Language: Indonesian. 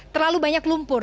terlalu banyak lumpur